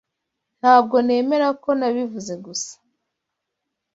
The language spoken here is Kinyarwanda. Ntabwo nemera ko nabivuze gusa!